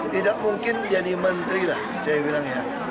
tidak mungkin jadi menteri lah saya bilang ya